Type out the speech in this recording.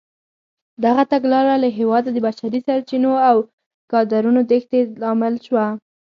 دغه تګلاره له هېواده د بشري سرچینو او کادرونو تېښتې لامل شوه.